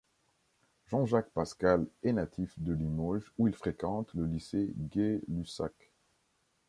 Jean-Jacques Pascal est natif de Limoges, où il fréquente le lycée Gay-Lussac.